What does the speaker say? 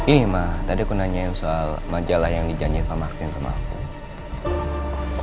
ini ma tadi aku nanyain soal majalah yang dijanji pak martin sama aku